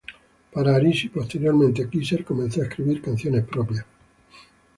Para Arise y posteriormente, Kisser comenzó a escribir canciones propias.